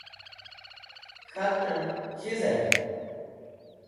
K̃hatam, “chizer?”